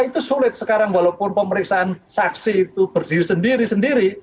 itu sulit sekarang walaupun pemeriksaan saksi itu berdiri sendiri sendiri